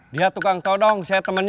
dia tukang todong saya temenin